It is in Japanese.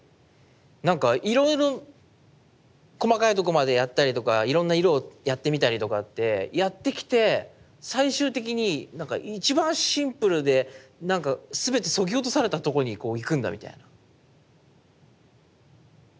なんかいろいろ細かいとこまでやったりとかいろんな色をやってみたりとかってやってきて最終的になんか一番シンプルでなんか全てそぎ落とされたとこにこう行くんだみたいな。